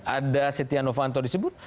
ada setia novanto disebut